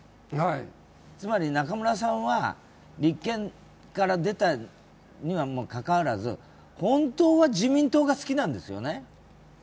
つまり、中村さんは立憲から出たにもかかわらず本当は自民党が好きなんですよね。